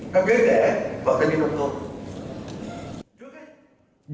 các kế rẽ và các nhân dân thôn